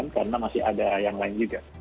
karena masih ada yang lain juga